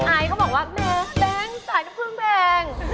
เขาบอกว่าแมนแสดงสายน้ำผึ้นแบง